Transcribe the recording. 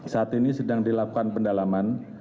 saat ini sedang dilakukan pendalaman